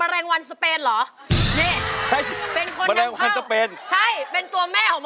ร้องได้ให้ร้าน